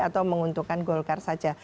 atau menguntungkan golkar saja